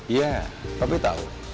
iya tapi tahu